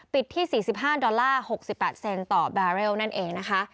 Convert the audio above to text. ที่๔๕ดอลลาร์๖๘เซนต่อแบเรลนั่นเองนะคะ